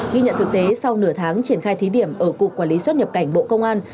ghi nhận thực tế sau nửa tháng triển khai thí điểm ở cục quản lý xuất nhập cảnh bộ công an